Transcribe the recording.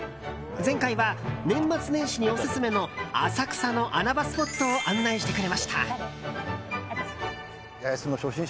前回は年末年始にオススメの浅草の穴場スポットを案内してくれました。